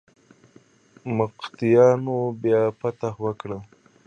مقتديانو بيا فتحه ورکړه.